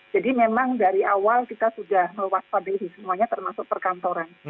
jadi memang dari awal kita sudah meluas pabrik semuanya termasuk perkantoran